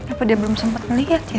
apa dia belum sempat melihat ya